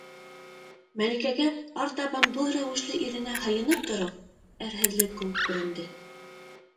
Мәликәгә артабан был рәүешле иренә һыйынып тороу әрһеҙлек кеүек күренде.